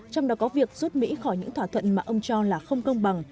trong đó có việc rút mỹ khỏi những thỏa thuận mà ông cho là không công bằng